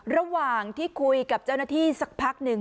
ระหว่างที่คุยกับเจ้าหน้าที่สักพักหนึ่ง